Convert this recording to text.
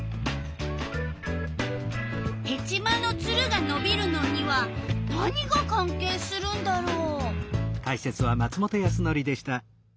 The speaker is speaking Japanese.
ヘチマのツルがのびるのには何が関係するんだろう？